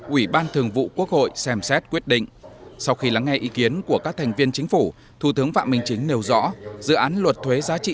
ủy ban thường vụ quốc hội xem xét quyết định sau khi lắng nghe ý kiến của các thành viên chính phủ thủ tướng phạm minh chính nêu rõ dự án luật thuế giá trị